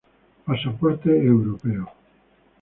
Pasaporte Europeo.